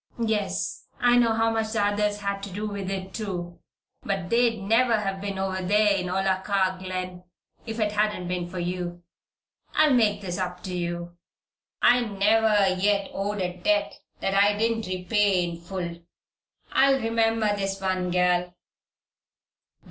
Yes! I know how much the others had to do with it, too. But they'd never been over there in Olakah Glen if it hadn't been for you. I'll make this up to you. I never yet owed a debt that I didn't repay in full. I'll remember this one, gal."